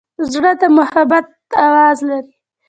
زړه د محبت آواز لري.